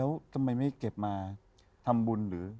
แล้วทำไมไม่เก็บมาทำบุญหรือ